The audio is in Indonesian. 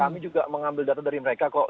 kami juga mengambil data dari mereka kok